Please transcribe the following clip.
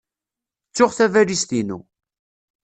Ttuɣ tabalizt-inu.